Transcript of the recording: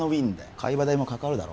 飼い葉代もかかるだろ？